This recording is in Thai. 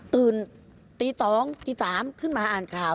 ตื่นตี๒ตี๓ขึ้นมาอ่านข่าว